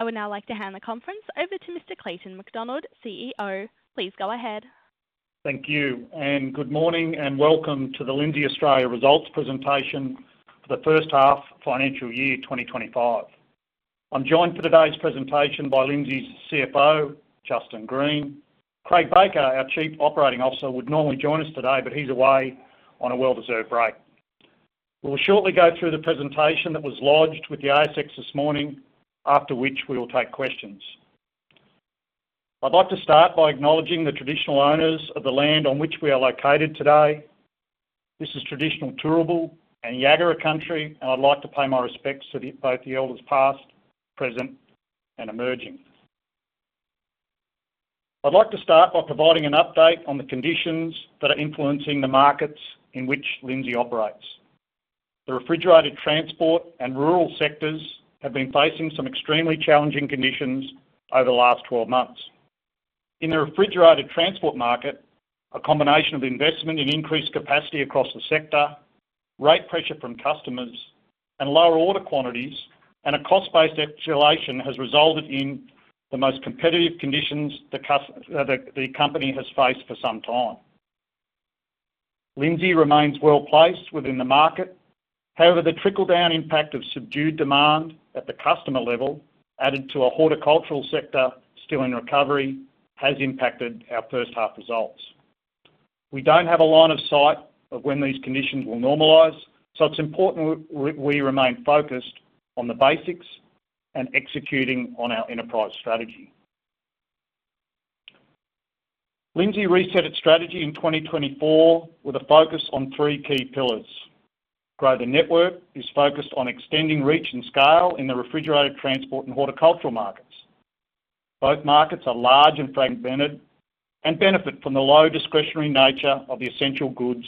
I would now like to hand the conference over to Mr. Clayton McDonald, CEO. Please go ahead. Thank you, and good morning, and welcome to the Lindsay Australia Results Presentation for the first half financial year 2025. I'm joined for today's presentation by Lindsay's CFO, Justin Green. Craig Baker, our Chief Operating Officer, would normally join us today, but he's away on a well-deserved break. We'll shortly go through the presentation that was lodged with the ASX this morning, after which we will take questions. I'd like to start by acknowledging the traditional owners of the land on which we are located today. This is traditional Turrbal and Yagara country, and I'd like to pay my respects to both the elders past, present, and emerging. I'd like to start by providing an update on the conditions that are influencing the markets in which Lindsay operates. The refrigerated transport and rural sectors have been facing some extremely challenging conditions over the last 12 months. In the refrigerated transport market, a combination of investment in increased capacity across the sector, rate pressure from customers, and lower order quantities, and a cost-based escalation has resulted in the most competitive conditions the company has faced for some time. Lindsay remains well placed within the market; however, the trickle-down impact of subdued demand at the customer level, added to a horticultural sector still in recovery, has impacted our first half results. We do not have a line of sight of when these conditions will normalize, so it is important we remain focused on the basics and executing on our enterprise strategy. Lindsay resetted strategy in 2024 with a focus on three key pillars. Greater Network is focused on extending reach and scale in the refrigerated transport and horticultural markets. Both markets are large and fragmented and benefit from the low discretionary nature of the essential goods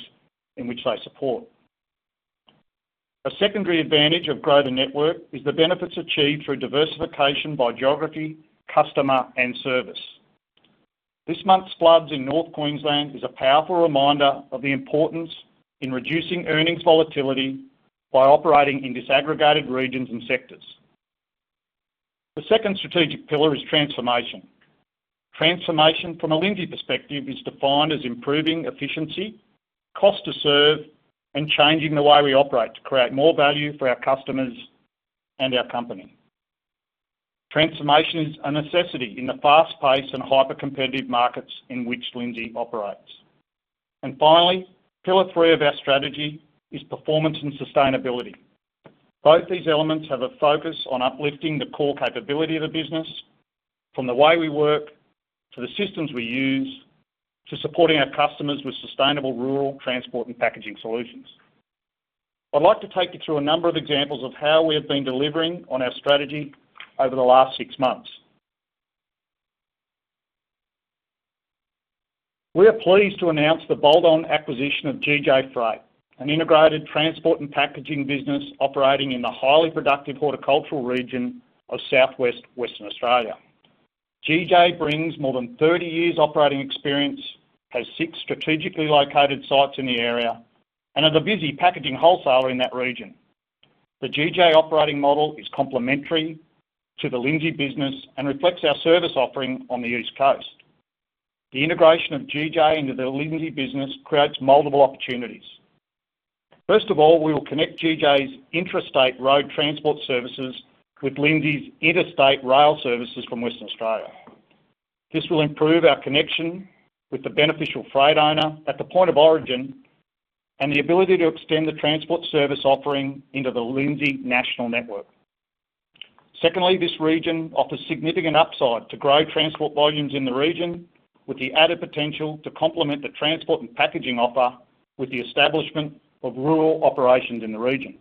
in which they support. A secondary advantage of Greater Network is the benefits achieved through diversification by geography, customer, and service. This month's floods in North Queensland is a powerful reminder of the importance in reducing earnings volatility by operating in disaggregated regions and sectors. The second strategic pillar is transformation. Transformation from a Lindsay perspective is defined as improving efficiency, cost to serve, and changing the way we operate to create more value for our customers and our company. Transformation is a necessity in the fast-paced and hyper-competitive markets in which Lindsay operates. Finally, pillar three of our strategy is performance and sustainability. Both these elements have a focus on uplifting the core capability of the business, from the way we work to the systems we use, to supporting our customers with sustainable rural transport and packaging solutions. I'd like to take you through a number of examples of how we have been delivering on our strategy over the last six months. We are pleased to announce the bolt-on acquisition of GJ Freight, an integrated transport and packaging business operating in the highly productive horticultural region of southwest Western Australia. GJ brings more than 30 years' operating experience, has six strategically located sites in the area, and is a busy packaging wholesaler in that region. The GJ operating model is complementary to the Lindsay business and reflects our service offering on the East Coast. The integration of GJ into the Lindsay business creates multiple opportunities. First of all, we will connect GJ's interstate road transport services with Lindsay's interstate rail services from Western Australia. This will improve our connection with the beneficial freight owner at the point of origin and the ability to extend the transport service offering into the Lindsay national network. Secondly, this region offers significant upside to greater transport volumes in the region, with the added potential to complement the transport and packaging offer with the establishment of rural operations in the region.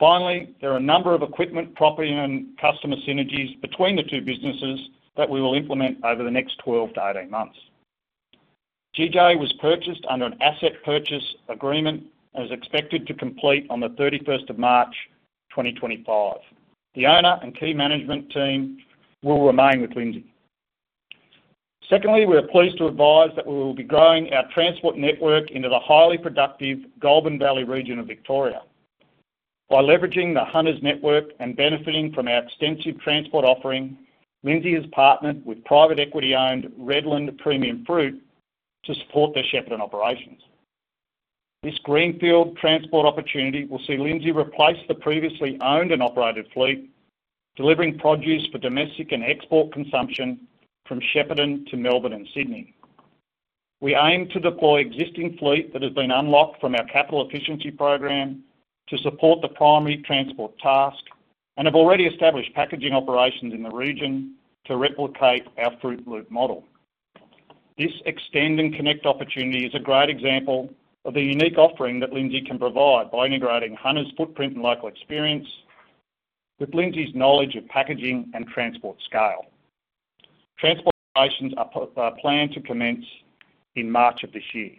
Finally, there are a number of equipment, property, and customer synergies between the two businesses that we will implement over the next 12-18 months. GJ Freight was purchased under an asset purchase agreement and is expected to complete on the 31st of March 2025. The owner and key management team will remain with Lindsay. Secondly, we are pleased to advise that we will be growing our transport network into the highly productive Golden Valley region of Victoria. By leveraging the Hunters network and benefiting from our extensive transport offering, Lindsay has partnered with private equity-owned Redland Premium Fruit to support their Shepparton operations. This greenfield transport opportunity will see Lindsay replace the previously owned and operated fleet, delivering produce for domestic and export consumption from Shepparton to Melbourne and Sydney. We aim to deploy existing fleet that has been unlocked from our capital efficiency program to support the primary transport task and have already established packaging operations in the region to replicate our fruit loop model. This extend and connect opportunity is a great example of the unique offering that Lindsay can provide by integrating Hunters' footprint and local experience with Lindsay's knowledge of packaging and transport scale. Transport operations are planned to commence in March of this year.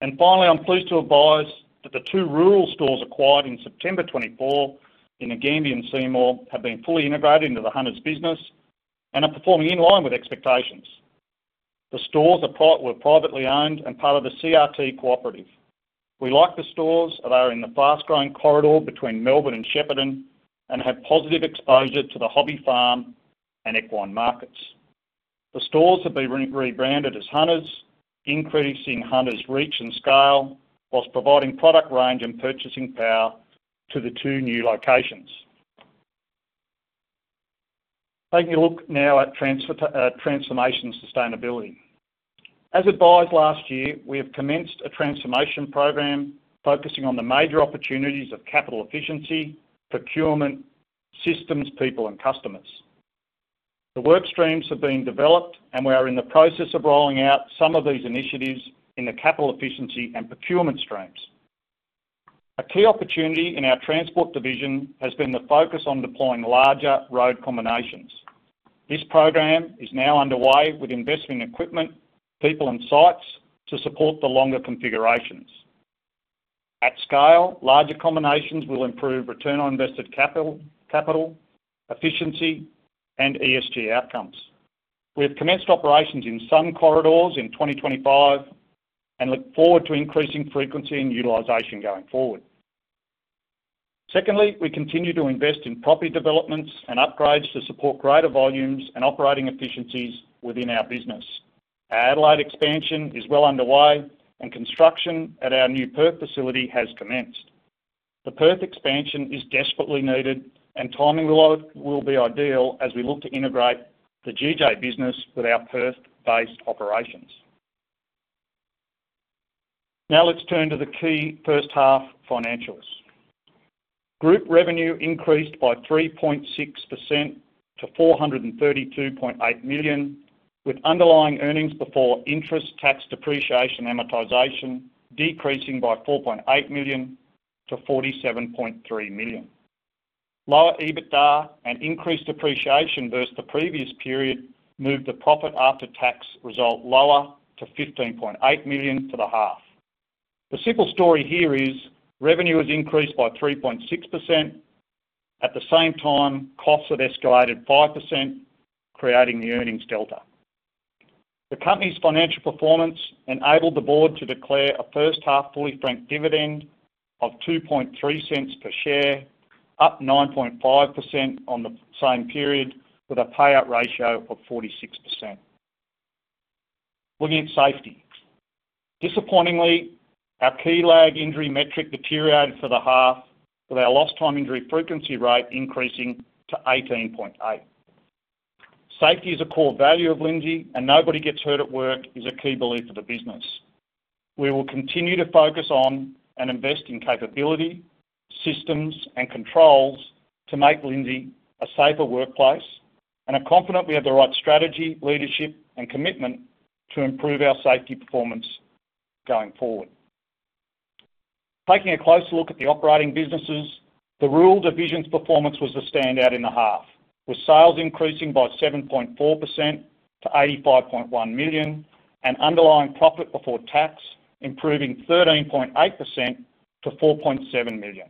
Finally, I'm pleased to advise that the two rural stores acquired in September 2024 in Nagambie and Seymour have been fully integrated into the Hunters business and are performing in line with expectations. The stores were privately owned and part of the CRT cooperative. We like the stores as they are in the fast-growing corridor between Melbourne and Shepparton and have positive exposure to the hobby farm and equine markets. The stores have been rebranded as Hunters, increasing Hunters' reach and scale whilst providing product range and purchasing power to the two new locations. Taking a look now at transformation and sustainability. As advised last year, we have commenced a transformation program focusing on the major opportunities of capital efficiency, procurement, systems, people, and customers. The work streams have been developed, and we are in the process of rolling out some of these initiatives in the capital efficiency and procurement streams. A key opportunity in our transport division has been the focus on deploying larger road combinations. This program is now underway with investment in equipment, people, and sites to support the longer configurations. At scale, larger combinations will improve return on invested capital, efficiency, and ESG outcomes. We have commenced operations in some corridors in 2025 and look forward to increasing frequency and utilization going forward. Secondly, we continue to invest in property developments and upgrades to support greater volumes and operating efficiencies within our business. Our Adelaide expansion is well underway, and construction at our new Perth facility has commenced. The Perth expansion is desperately needed, and timing will be ideal as we look to integrate the GJ Freight business with our Perth-based operations. Now let's turn to the key first half financials. Group revenue increased by 3.6% to 432.8 million, with underlying earnings before interest, tax, depreciation, and amortization decreasing by 4.8 million to 47.3 million. Lower EBITDA and increased depreciation versus the previous period moved the profit after tax result lower to 15.8 million for the half. The simple story here is revenue has increased by 3.6%. At the same time, costs have escalated 5%, creating the earnings delta. The company's financial performance enabled the board to declare a first half fully franked dividend of 0.023 per share, up 9.5% on the same period, with a payout ratio of 46%. Looking at safety. Disappointingly, our key lag injury metric deteriorated for the half, with our Lost Time Injury Frequency Rate increasing to 18.8. Safety is a core value of Lindsay, and nobody gets hurt at work is a key belief of the business. We will continue to focus on and invest in capability, systems, and controls to make Lindsay a safer workplace, and I'm confident we have the right strategy, leadership, and commitment to improve our safety performance going forward. Taking a closer look at the operating businesses, the rural division's performance was the standout in the half, with sales increasing by 7.4% to 85.1 million and underlying profit before tax improving 13.8% to 4.7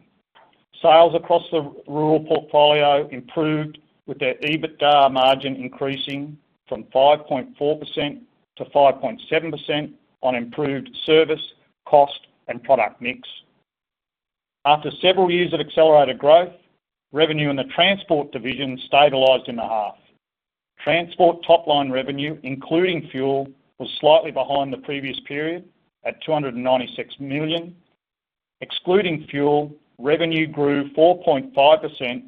million. Sales across the rural portfolio improved with their EBITDA margin increasing from 5.4% to 5.7% on improved service, cost, and product mix. After several years of accelerated growth, revenue in the transport division stabilized in the half. Transport top-line revenue, including fuel, was slightly behind the previous period at 296 million. Excluding fuel, revenue grew 4.5%,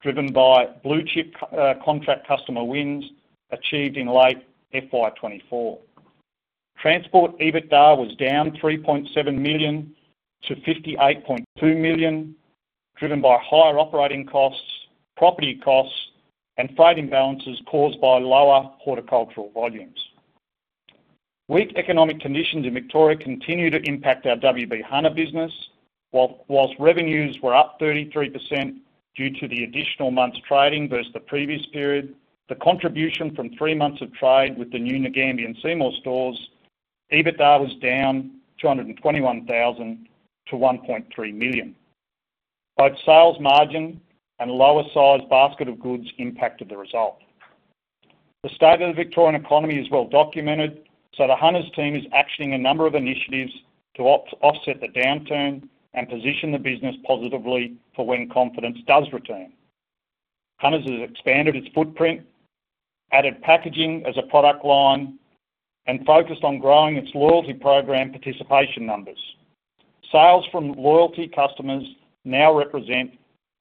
driven by blue-chip contract customer wins achieved in late FY 2024. Transport EBITDA was down 3.7 million to 58.2 million, driven by higher operating costs, property costs, and freight imbalances caused by lower horticultural volumes. Weak economic conditions in Victoria continue to impact our WB Hunter business. Whilst revenues were up 33% due to the additional months trading versus the previous period, the contribution from three months of trade with the new Nagambie and Seymour stores, EBITDA was down 221,000 to 1.3 million. Both sales margin and lower size basket of goods impacted the result. The state of the Victorian economy is well documented, so the Hunters team is actioning a number of initiatives to offset the downturn and position the business positively for when confidence does return. Hunters has expanded its footprint, added packaging as a product line, and focused on growing its loyalty program participation numbers. Sales from loyalty customers now represent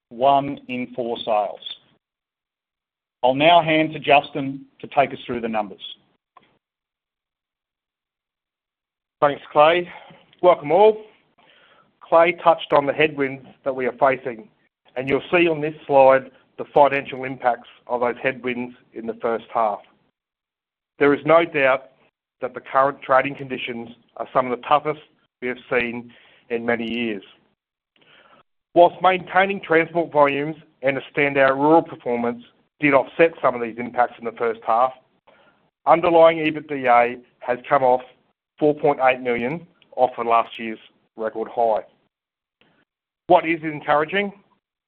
one in four sales. I'll now hand to Justin to take us through the numbers. Thanks, Clay. Welcome all. Clay touched on the headwinds that we are facing, and you'll see on this slide the financial impacts of those headwinds in the first half. There is no doubt that the current trading conditions are some of the toughest we have seen in many years. Whilst maintaining transport volumes and a standout rural performance did offset some of these impacts in the first half, underlying EBITDA has come off 4.8 million, off of last year's record high. What is encouraging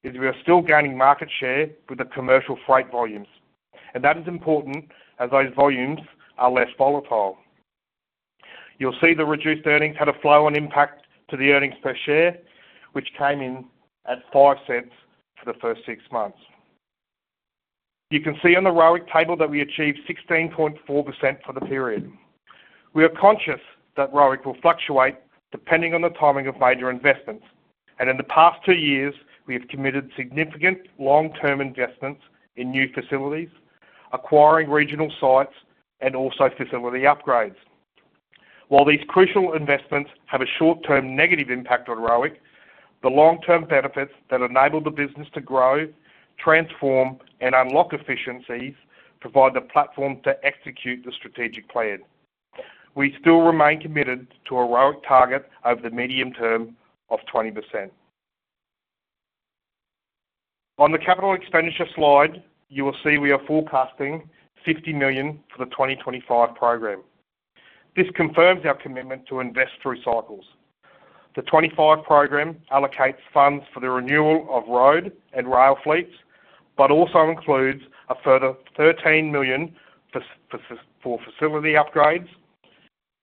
is we are still gaining market share with the commercial freight volumes, and that is important as those volumes are less volatile. You'll see the reduced earnings had a flow-on impact to the earnings per share, which came in at 0.05 for the first six months. You can see on the ROIC table that we achieved 16.4% for the period. We are conscious that ROIC will fluctuate depending on the timing of major investments, and in the past two years, we have committed significant long-term investments in new facilities, acquiring regional sites, and also facility upgrades. While these crucial investments have a short-term negative impact on ROIC, the long-term benefits that enable the business to grow, transform, and unlock efficiencies provide the platform to execute the strategic plan. We still remain committed to a ROIC target over the medium term of 20%. On the capital expenditure slide, you will see we are forecasting 50 million for the 2025 program. This confirms our commitment to investor cycles. The 2025 program allocates funds for the renewal of road and rail fleets, but also includes a further 13 million for facility upgrades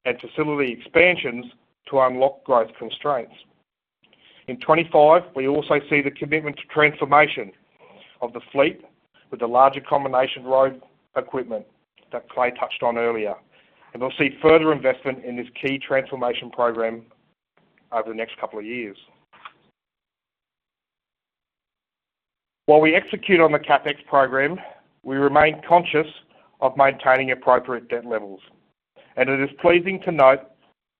and facility expansions to unlock growth constraints. In 2025, we also see the commitment to transformation of the fleet with the larger combination road equipment that Clay touched on earlier, and we'll see further investment in this key transformation program over the next couple of years. While we execute on the CapEx program, we remain conscious of maintaining appropriate debt levels, and it is pleasing to note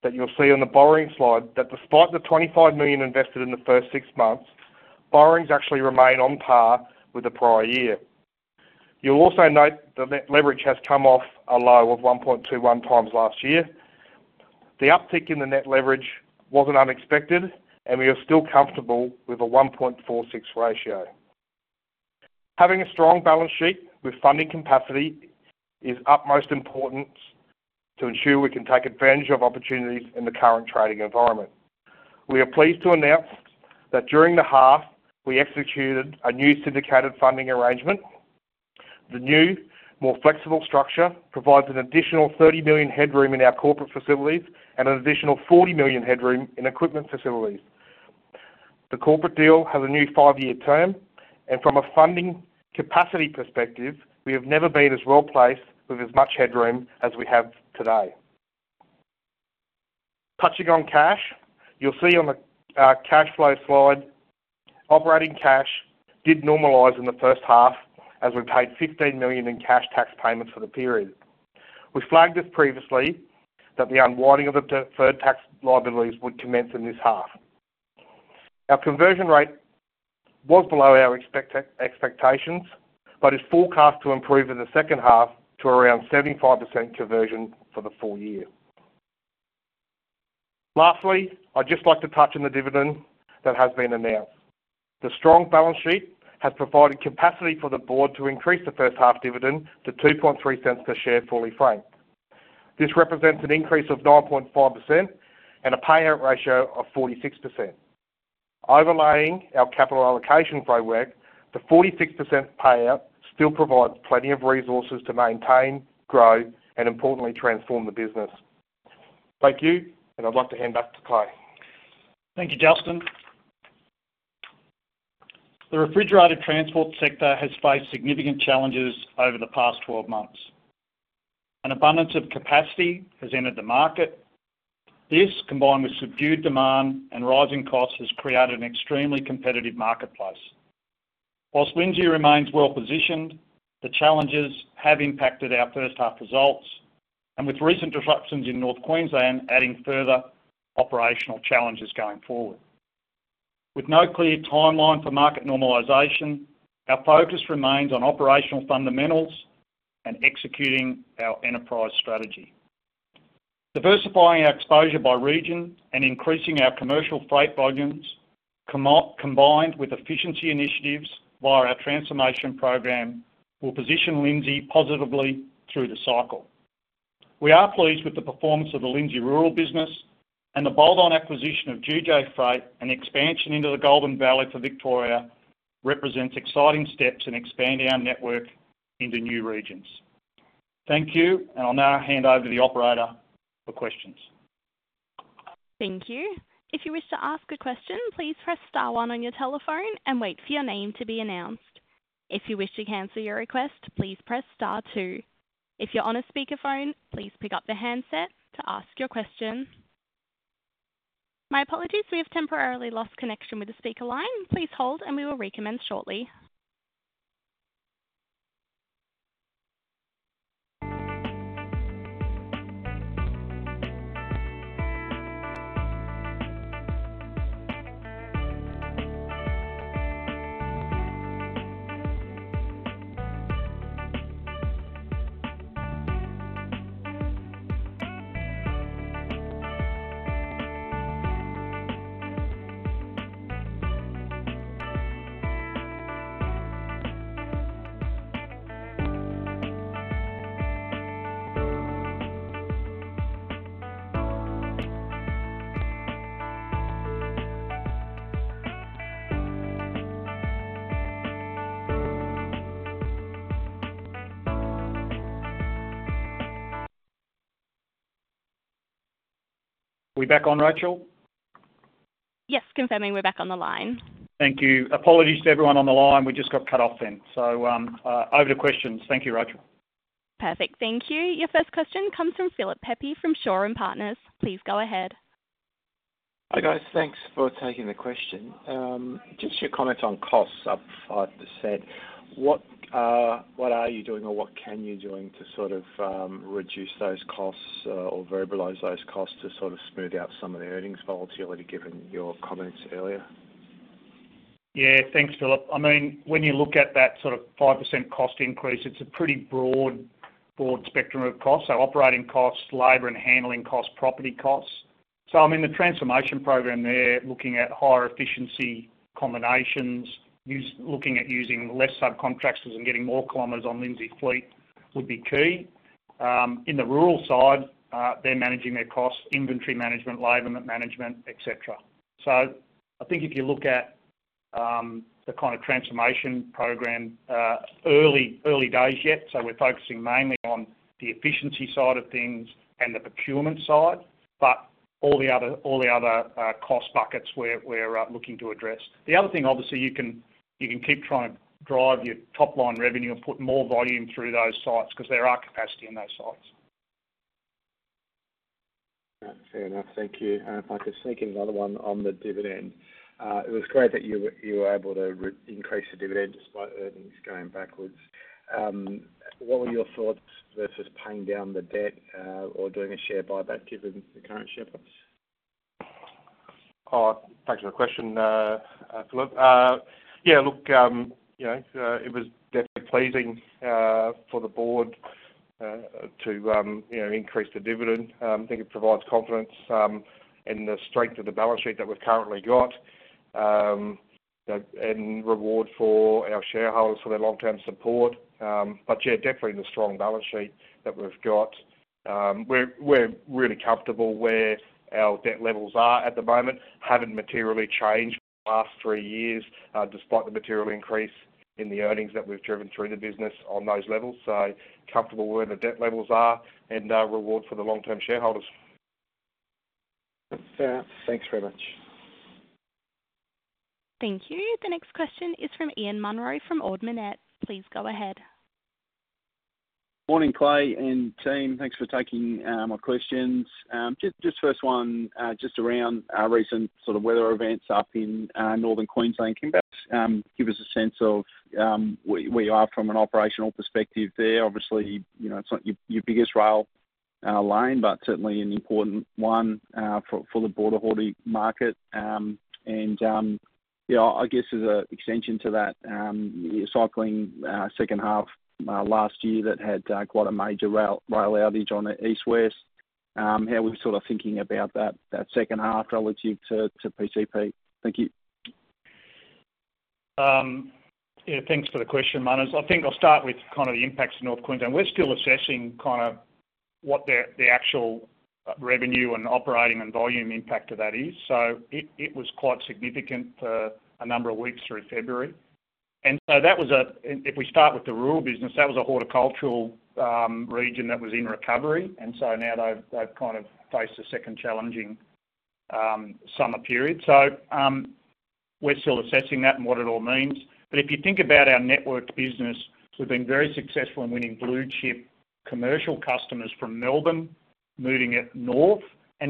that you'll see on the borrowing slide that despite the 25 million invested in the first six months, borrowings actually remain on par with the prior year. You'll also note the net leverage has come off a low of 1.21x last year. The uptick in the net leverage wasn't unexpected, and we are still comfortable with a 1.46 ratio. Having a strong balance sheet with funding capacity is utmost importance to ensure we can take advantage of opportunities in the current trading environment. We are pleased to announce that during the half, we executed a new syndicated funding arrangement. The new, more flexible structure provides an additional 30 million headroom in our corporate facilities and an additional 40 million headroom in equipment facilities. The corporate deal has a new five-year term, and from a funding capacity perspective, we have never been as well placed with as much headroom as we have today. Touching on cash, you'll see on the cash flow slide, operating cash did normalize in the first half as we paid 15 million in cash tax payments for the period. We flagged this previously, that the unwinding of the deferred tax liabilities would commence in this half. Our conversion rate was below our expectations, but is forecast to improve in the second half to around 75% conversion for the full year. Lastly, I'd just like to touch on the dividend that has been announced. The strong balance sheet has provided capacity for the board to increase the first half dividend to 0.023 per share fully franked. This represents an increase of 9.5% and a payout ratio of 46%. Overlaying our capital allocation framework, the 46% payout still provides plenty of resources to maintain, grow, and importantly, transform the business. Thank you, and I'd like to hand back to Clay. Thank you, Justin. The refrigerated transport sector has faced significant challenges over the past 12 months. An abundance of capacity has entered the market. This, combined with subdued demand and rising costs, has created an extremely competitive marketplace. Whilst Lindsay remains well positioned, the challenges have impacted our first half results, with recent disruptions in North Queensland adding further operational challenges going forward. With no clear timeline for market normalization, our focus remains on operational fundamentals and executing our enterprise strategy. Diversifying our exposure by region and increasing our commercial freight volumes, combined with efficiency initiatives via our transformation program, will position Lindsay positively through the cycle. We are pleased with the performance of the Lindsay rural business, and the bolt-on acquisition of GJ Freight and expansion into the Golden Valley for Victoria represents exciting steps in expanding our network into new regions. Thank you, and I'll now hand over to the operator for questions. Thank you. If you wish to ask a question, please press star one on your telephone and wait for your name to be announced. If you wish to cancel your request, please press star two. If you're on a speakerphone, please pick up the handset to ask your question. My apologies, we have temporarily lost connection with the speaker line. Please hold, and we will recommence shortly. Are we back on, Rachel? Yes, confirming we're back on the line. Thank you. Apologies to everyone on the line. We just got cut off then. Over to questions. Thank you, Rachel. Perfect. Thank you. Your first question comes from Philip Pepe from Shaw and Partners. Please go ahead. Hi guys. Thanks for taking the question. Just your comments on costs up 5%. What are you doing or what can you be doing to sort of reduce those costs or variabilise those costs to sort of smooth out some of the earnings volatility given your comments earlier? Yeah, thanks, Philip. I mean, when you look at that sort of 5% cost increase, it's a pretty broad spectrum of costs. Operating costs, labor and handling costs, property costs. I mean, the transformation program, they're looking at higher efficiency combinations, looking at using less subcontractors and getting more kilometers on Lindsay fleet would be key. In the rural side, they're managing their costs, inventory management, labor management, etc. I think if you look at the kind of transformation program, early days yet, we're focusing mainly on the efficiency side of things and the procurement side, but all the other cost buckets we're looking to address. The other thing, obviously, you can keep trying to drive your top-line revenue and put more volume through those sites because there are capacity in those sites. That's fair enough. Thank you. If I could sneak in another one on the dividend. It was great that you were able to increase the dividend despite earnings going backwards. What were your thoughts versus paying down the debt or doing a share buyback given the current share price? Thanks for the question, Philip. Yeah, look, it was definitely pleasing for the board to increase the dividend. I think it provides confidence in the strength of the balance sheet that we've currently got and reward for our shareholders for their long-term support. Yeah, definitely the strong balance sheet that we've got. We're really comfortable where our debt levels are at the moment, haven't materially changed in the last three years despite the material increase in the earnings that we've driven through the business on those levels. Comfortable where the debt levels are and reward for the long-term shareholders. That's fair. Thanks very much. Thank you. The next question is from Ian Munro from Ord Minnett. Please go ahead. Morning, Clay and team. Thanks for taking my questions. Just first one, just around our recent sort of weather events up in North Queensland, can you perhaps give us a sense of where you are from an operational perspective there? Obviously, it's not your biggest rail line, but certainly an important one for the border hauling market. I guess as an extension to that, cycling second half last year that had quite a major rail outage on the east-west. How are we sort of thinking about that second half relative to PCP? Thank you. Yeah, thanks for the question, Munroe. I think I'll start with kind of the impacts in North Queensland. We're still assessing kind of what the actual revenue and operating and volume impact of that is. It was quite significant for a number of weeks through February. That was a, if we start with the rural business, that was a horticultural region that was in recovery, and now they've kind of faced a second challenging summer period. We're still assessing that and what it all means. If you think about our network business, we've been very successful in winning blue-chip commercial customers from Melbourne moving it north.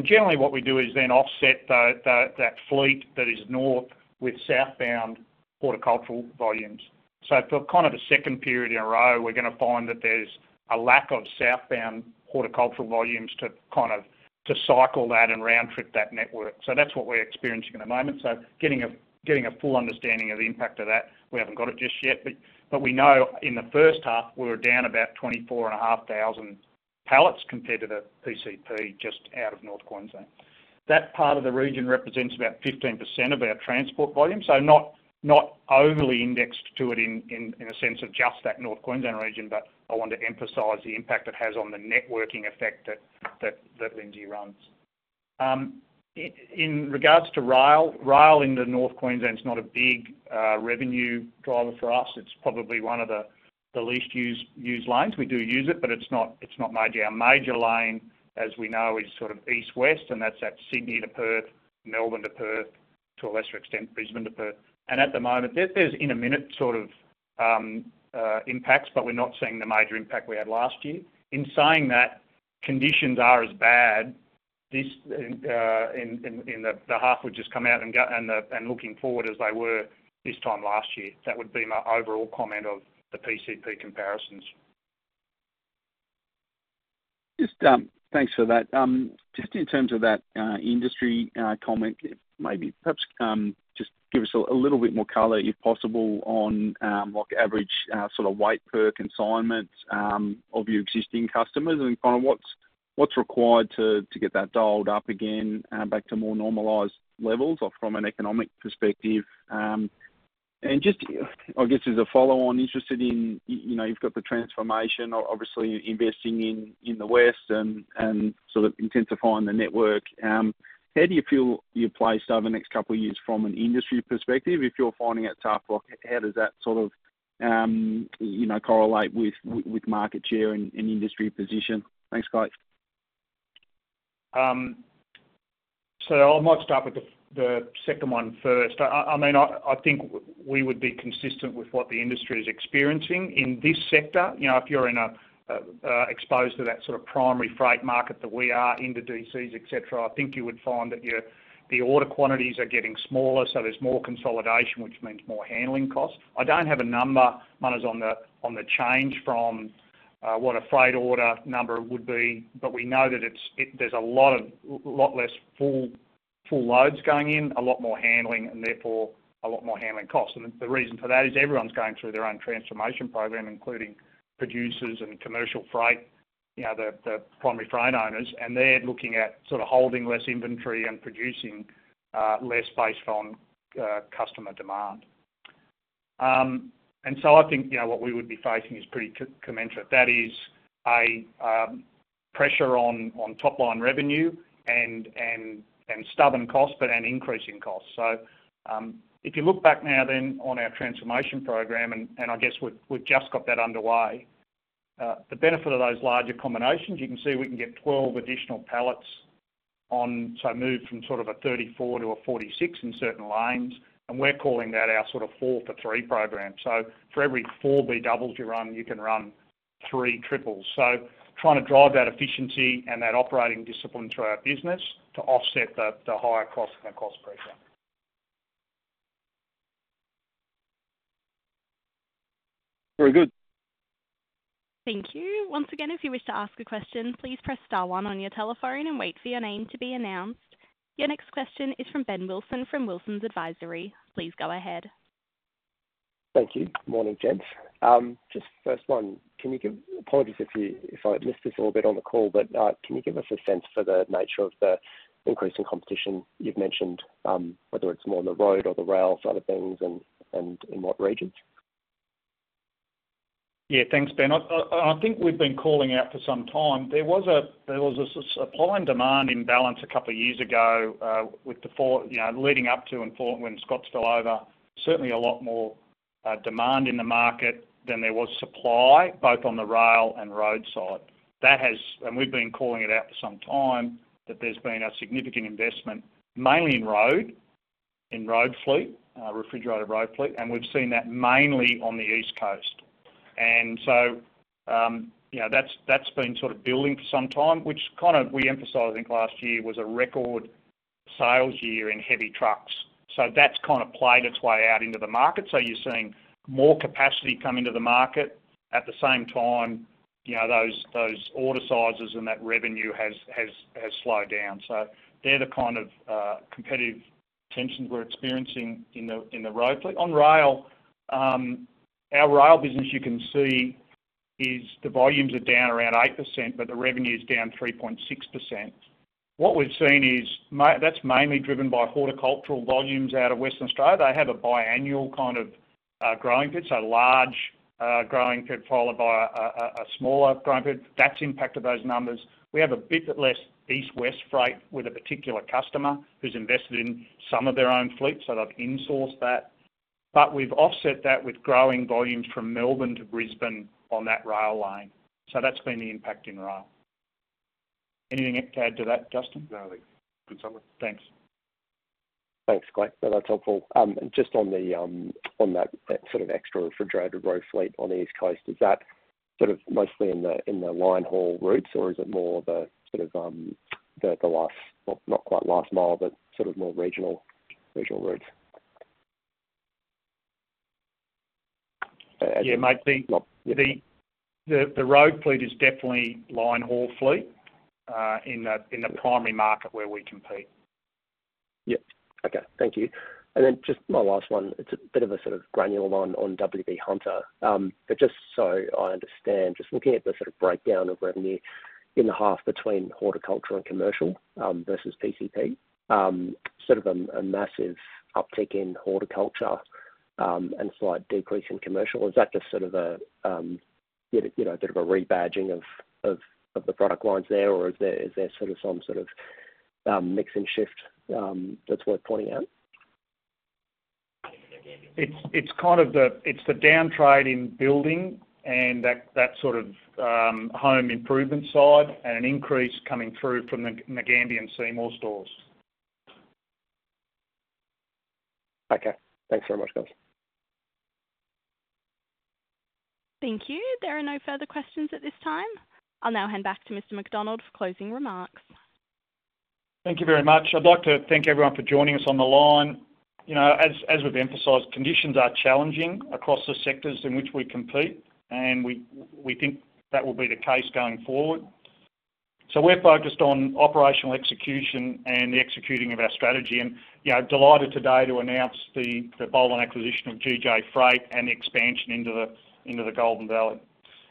Generally, what we do is then offset that fleet that is north with southbound horticultural volumes. For kind of the second period in a row, we're going to find that there's a lack of southbound horticultural volumes to kind of cycle that and round trip that network. That is what we're experiencing at the moment. Getting a full understanding of the impact of that, we haven't got it just yet. We know in the first half, we were down about 24,500 pallets compared to the PCP just out of North Queensland. That part of the region represents about 15% of our transport volume, so not overly indexed to it in a sense of just that North Queensland region, but I want to emphasize the impact it has on the networking effect that Lindsay runs. In regards to rail, rail in North Queensland is not a big revenue driver for us. It is probably one of the least used lines. We do use it, but it's not our major line, as we know, is sort of east-west, and that's that Sydney to Perth, Melbourne to Perth, to a lesser extent, Brisbane to Perth. At the moment, there's in a minute sort of impacts, but we're not seeing the major impact we had last year. In saying that, conditions are as bad in the half we've just come out and looking forward as they were this time last year. That would be my overall comment of the PCP comparisons. Just thanks for that. Just in terms of that industry comment, maybe perhaps just give us a little bit more color, if possible, on average sort of weight per consignment of your existing customers and kind of what's required to get that dialed up again, back to more normalized levels from an economic perspective. And just, I guess, as a follow-on, interested in, you've got the transformation, obviously, investing in the west and sort of intensifying the network. How do you feel you're placed over the next couple of years from an industry perspective? If you're finding it tough, how does that sort of correlate with market share and industry position? Thanks, Clay. I might start with the second one first. I mean, I think we would be consistent with what the industry is experiencing in this sector. If you're exposed to that sort of primary freight market that we are, inter-DCs, etc., I think you would find that the order quantities are getting smaller, so there's more consolidation, which means more handling costs. I don't have a number, Munroe, on the change from what a freight order number would be, but we know that there's a lot less full loads going in, a lot more handling, and therefore a lot more handling costs. The reason for that is everyone's going through their own transformation program, including producers and commercial freight, the primary freight owners, and they're looking at sort of holding less inventory and producing less based on customer demand. I think what we would be facing is pretty commensurate. That is a pressure on top-line revenue and stubborn costs, but an increase in costs. If you look back now then on our transformation program, and I guess we've just got that underway, the benefit of those larger combinations, you can see we can get 12 additional pallets on, so move from sort of a 34 to a 46 in certain lines, and we're calling that our sort of four for three program. For every four B-doubles you run, you can run B-triples. Trying to drive that efficiency and that operating discipline through our business to offset the higher cost and the cost pressure. Very good. Thank you. Once again, if you wish to ask a question, please press star one on your telephone and wait for your name to be announced. Your next question is from Ben Wilson from Wilsons Advisory. Please go ahead. Thank you. Morning, gents. Just first one, can you give—apologies if I missed this a little bit on the call, but can you give us a sense for the nature of the increase in competition you've mentioned, whether it's more on the road or the rail side of things and in what regions? Yeah, thanks, Ben. I think we've been calling out for some time. There was a supply and demand imbalance a couple of years ago leading up to when Scott's fell over. Certainly, a lot more demand in the market than there was supply, both on the rail and road side. We've been calling it out for some time that there's been a significant investment, mainly in road, in road fleet, refrigerated road fleet, and we've seen that mainly on the east coast. That's been sort of building for some time, which kind of we emphasised, I think, last year was a record sales year in heavy trucks. That's kind of played its way out into the market. You're seeing more capacity come into the market. At the same time, those order sizes and that revenue has slowed down. They're the kind of competitive tensions we're experiencing in the road fleet. On rail, our rail business, you can see the volumes are down around 8%, but the revenue is down 3.6%. What we've seen is that's mainly driven by horticultural volumes out of Western Australia. They have a biannual kind of growing period, so large growing period followed by a smaller growing period. That's impacted those numbers. We have a bit less east-west freight with a particular customer who's invested in some of their own fleet, so they've insourced that. We've offset that with growing volumes from Melbourne to Brisbane on that rail line. That's been the impact in rail. Anything to add to that, Justin? No, good summary. Thanks. Thanks, Clay. No, that's helpful. Just on that sort of extra refrigerated road fleet on the east coast, is that mostly in the line haul routes, or is it more of a sort of the last, not quite last mile, but sort of more regional routes? Yeah, the road fleet is definitely line haul fleet in the primary market where we compete. Yeah. Okay. Thank you. Just my last one. It's a bit of a sort of granular one on WB Hunter. Just so I understand, just looking at the sort of breakdown of revenue in the half between horticulture and commercial versus PCP, sort of a massive uptick in horticulture and slight decrease in commercial. Is that just sort of a bit of a rebadging of the product lines there, or is there sort of some sort of mix and shift that's worth pointing out? It's kind of the downtrade in building and that sort of home improvement side and an increase coming through from the Nagambie and Seymour stores. Okay. Thanks very much, guys. Thank you. There are no further questions at this time. I'll now hand back to Mr. McDonald for closing remarks. Thank you very much. I'd like to thank everyone for joining us on the line. As we've emphasized, conditions are challenging across the sectors in which we compete, and we think that will be the case going forward. We are focused on operational execution and the executing of our strategy. I am delighted today to announce the bolt-on acquisition of GJ Freight and the expansion into the Golden Valley.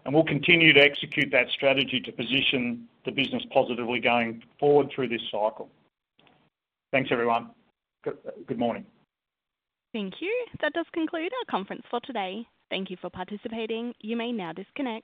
We will continue to execute that strategy to position the business positively going forward through this cycle. Thanks, everyone. Good morning. Thank you. That does conclude our conference for today. Thank you for participating. You may now disconnect.